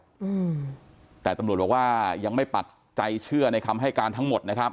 อืมแต่ตำรวจบอกว่ายังไม่ปักใจเชื่อในคำให้การทั้งหมดนะครับ